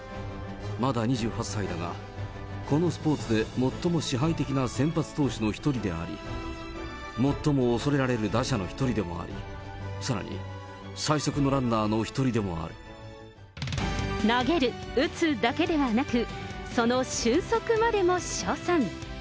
まだ２８歳だが、このスポーツで最も支配的な先発投手の一人であり、最も恐れられる打者の一人でもあり、さらに最速のランナーの一人投げる、打つだけではなく、その俊足までも称賛。